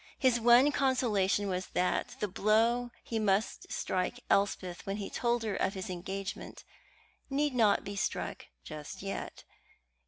His one consolation was that the blow he must strike Elspeth when he told her of his engagement need not be struck just yet.